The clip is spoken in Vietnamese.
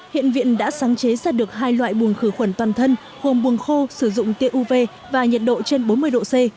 hiện viện đã sáng chế ra được hai loại buồng khử khuẩn toàn thân hồn buồng khô sử dụng tia uv và nhiệt độ trên bốn mươi độ c